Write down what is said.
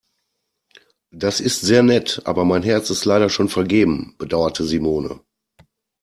Das ist sehr nett, aber mein Herz ist leider schon vergeben, bedauerte Simone.